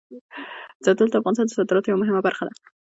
زردالو د افغانستان د صادراتو یوه مهمه برخه ده.